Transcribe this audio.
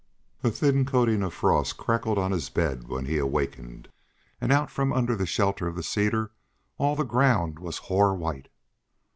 A thin coating of frost crackled on his bed when he awakened; and out from under the shelter of the cedar all the ground was hoar white.